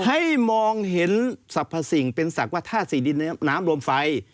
ให้มองเห็นศักดิ์พระสิ่งเป็นศักดิ์ว่าธาตุศรีดินน้ำโรมไฟ